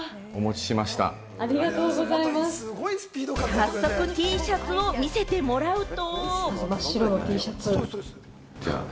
早速Ｔシャツを見せてもらうと。